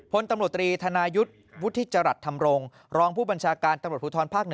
พลตำรวจตรีธนายุทธ์วุฒิจรัสธรรมรงค์รองผู้บัญชาการตำรวจภูทรภาค๑